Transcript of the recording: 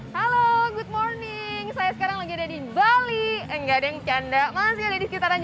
halo good morning saya sekarang lagi ada di bali enggak ada yang canda masih ada di sekitaran